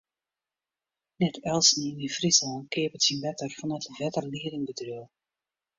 Net eltsenien yn Fryslân keapet syn wetter fan it wetterliedingbedriuw.